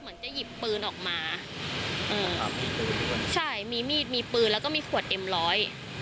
เหมือนจะหยิบปืนออกมาอืมครับใช่มีมีดมีปืนแล้วก็มีขวดเอ็มร้อย